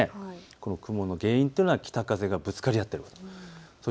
この雲の原因というのは北風がぶつかり合っているということ。